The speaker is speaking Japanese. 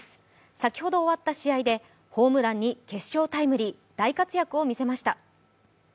先ほど終わった試合でホームランに決勝タイムリー、大活躍を見せました。